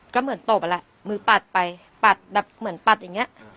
ก็เหมือนตบอะแหละมือปัดไปปัดแบบเหมือนปัดอย่างนี้